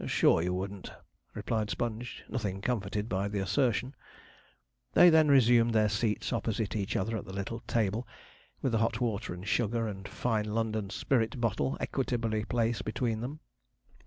'Sure you wouldn't,' replied Sponge, nothing comforted by the assertion. They then resumed their seats opposite each other at the little table, with the hot water and sugar, and 'Fine London Spirit' bottle equitably placed between them.